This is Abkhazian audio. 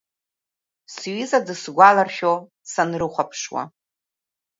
Сҩыза дысгәаларшәо санрыхәаԥшуа.